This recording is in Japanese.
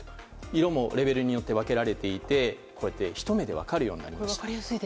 色もレベルによって分けられていてひと目で分かるようになりました。